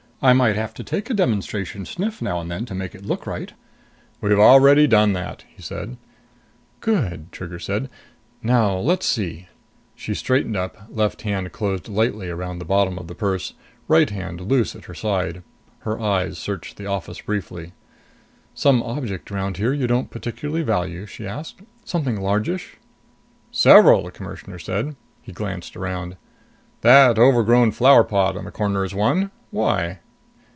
I might have to take a demonstration sniff now and then to make it look right." "We've already done that," he said. "Good," said Trigger. "Now let's see!" She straightened up, left hand closed lightly around the bottom of the purse, right hand loose at her side. Her eyes searched the office briefly. "Some object around here you don't particularly value?" she asked. "Something largish?" "Several," the Commissioner said. He glanced around. "That overgrown flower pot in the corner is one. Why?"